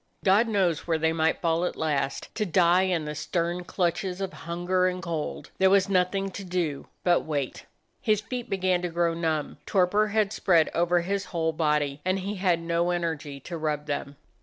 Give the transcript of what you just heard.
God knows where they might fall at last, to die in the stern clutches of hunger and cold. There was nothing to do but wait. His feet began to grow numb, torpor had spread over his whole body, and he had no energy to rub them.